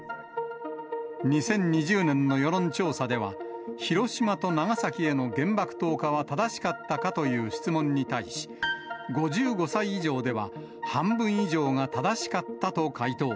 ２０２０年の世論調査では、広島と長崎への原爆投下は正しかったかという質問に対し、５５歳以上では半分以上が正しかったと回答。